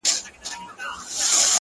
زه يې د نوم تر يوه ټكي صدقه نه سومه ـ